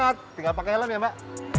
tinggal pakai helm ya mbak